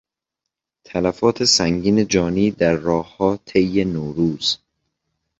تلفات سنگین جانی در راهها طی نوروز